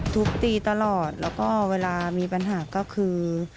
ทุบตีตลอดแล้วก็เวลามีปัญหาก็คือ